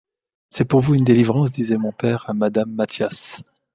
C'est pour vous une delivrance, disait mon pere a Madame Mathias.